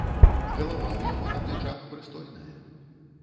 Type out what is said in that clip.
Галава ў яго на плячах прыстойная.